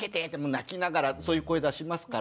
泣きながらそういう声出しますから。